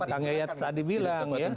kang yayat tadi bilang ya